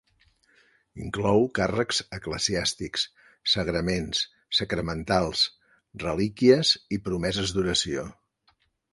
Inclou càrrecs eclesiàstics, sagraments, sacramentals, relíquies i promeses d'oració.